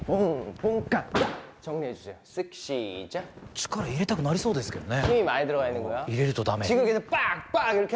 力入れたくなりそうですけどね。